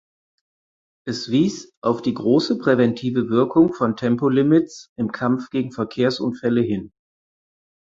Es wies auf die grosse präventive Wirkung von Tempolimits im Kampf gegen Verkehrsunfälle hin.